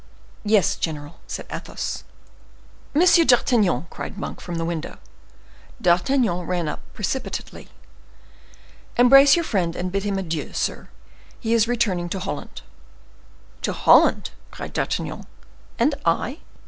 "Yes, general," said Athos. "Monsieur D'Artagnan!" cried Monk, from the window. D'Artagnan ran up precipitately. "Embrace your friend and bid him adieu, sir; he is returning to Holland." "To Holland!" cried D'Artagnan; "and I?"